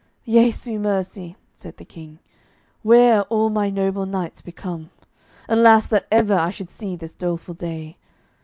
"Jesu, mercy," said the King, "where are all my noble knights become? Alas that ever I should see this doleful day.